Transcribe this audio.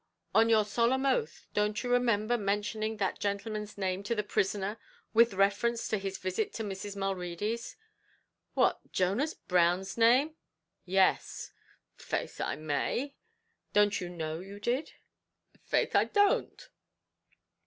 "On your solemn oath don't you remember mentioning that gentleman's name to the prisoner with reference to his visit to Mrs. Mulready's?" "What, Jonas Brown's name?" "Yes." "Faix I may." "Don't you know you did?" "Faix I don't."